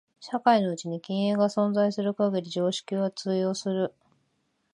社会のうちに均衡が存在する限り常識は通用する。